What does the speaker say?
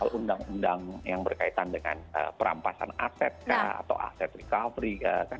kalau undang undang yang berkaitan dengan perampasan aset kah atau aset recovery